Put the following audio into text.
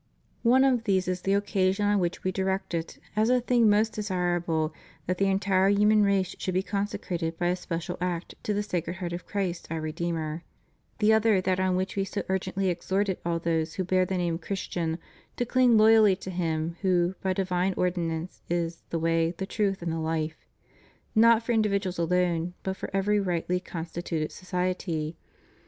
One of these is the occasion on which We directed, as a thing most desirable, that the entire human race should be consecrated by a special act to the Sacred Heart of Christ our Redeemer; the other that on which We so urgently exhorted all those who bear the name Christian to cUng loyally to Him who, by divine ordinance, is "the Way, the Truth, and the Life," not for individuals alone but for every rightly constituted society.